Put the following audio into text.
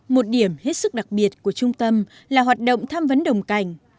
một điểm hết sức đặc biệt của trung tâm là hoạt động tham vấn đồng cảnh